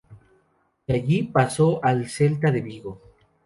De allí pasó al Celta de Vigo.